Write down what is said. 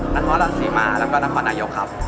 นักฮอล์ลันซีมาแล้วก็นักฮะหนายกครับ